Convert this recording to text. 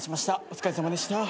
お疲れさまでした。